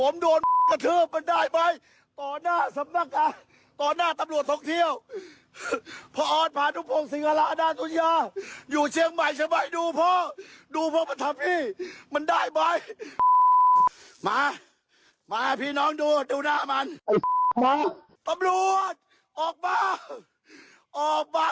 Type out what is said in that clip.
มันได้ไหมมามาพี่น้องดูดูหน้ามันมาอบรวชออกมาออกมา